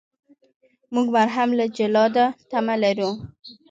موږ مرهم له جلاده تمه لرو.